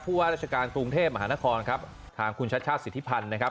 ว่าราชการกรุงเทพมหานครครับทางคุณชาติชาติสิทธิพันธ์นะครับ